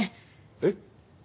えっ？